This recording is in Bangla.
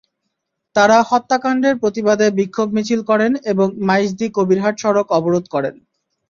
তাঁরা হত্যাকাণ্ডের প্রতিবাদে বিক্ষোভ মিছিল করেন এবং মাইজদী-কবিরহাট সড়ক অবরোধ করেন।